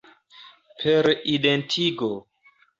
Per identigo.